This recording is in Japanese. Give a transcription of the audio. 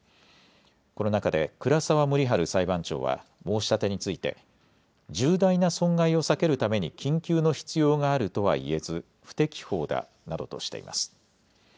この中で倉澤守春裁判長は申し立てについて重大な損害を避けるために緊急の必要があるとは言えず不適法だなどとしています。